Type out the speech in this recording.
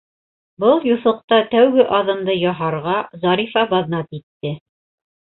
Был юҫыҡта тәүге аҙымды яһарға Зарифа баҙнат итте: